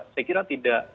saya kira tidak